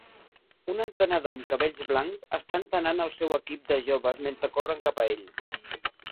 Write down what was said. Un entrenador amb cabells blancs està entrenant el seu equip de joves mentre corren cap a ell.